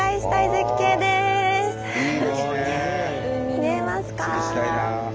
見えますか？